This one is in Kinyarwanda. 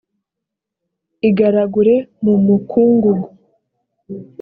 igaragure mu mukungugu